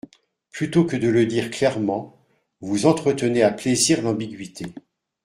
Plutôt que de le dire clairement, vous entretenez à plaisir l’ambiguïté.